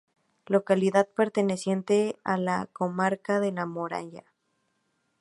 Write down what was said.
Localidad perteneciente a la comarca de La Moraña.